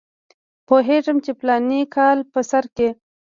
پوهېږم چې د فلاني کال په سر کې.